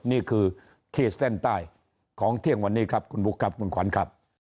ขีดเส้นใต้ของเที่ยงวันนี้ครับคุณบุ๊คครับคุณขวัญครับ